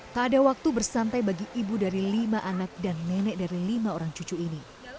tak ada waktu bersantai bagi ibu dari lima anak dan nenek dari lima orang cucu ini